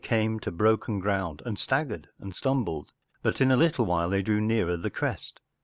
lo broken ground and staggered and stumbled, But in a little while they drew near the crest.